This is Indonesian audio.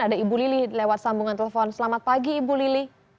ada ibu lili lewat sambungan telepon selamat pagi ibu lili